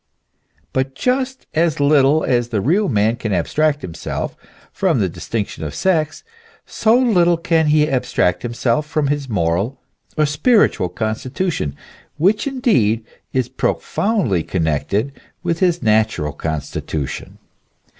But just as little as the real man can abstract himself from the distinction of sex, so little can he abstract himself from his moral or spiritual constitution, which indeed is profoundly connected with his natural constitution.